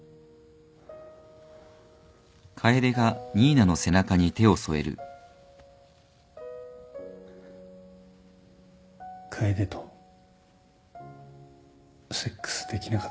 楓とセックスできなかったのは。